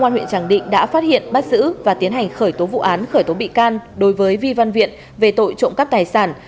công an huyện tràng định đã phát hiện bắt giữ và tiến hành khởi tố vụ án khởi tố bị can đối với vi văn viện về tội trộm cắp tài sản